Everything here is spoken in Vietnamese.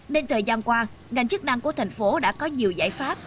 nên thời gian qua ngành chức năng của thành phố đã có nhiều giải pháp